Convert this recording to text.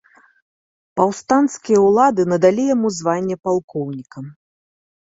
Паўстанцкія ўлады надалі яму званне палкоўніка.